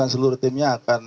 dan seluruh timnya akan